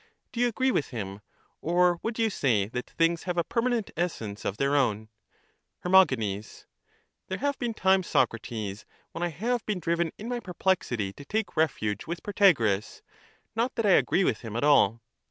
Do you agree with him, or would you say that things have a permanent essence of their own? Her. There have been times, Socrates, when I have been driven in my perplexity to take refuge with Protagoras ; not that I agree with him at all.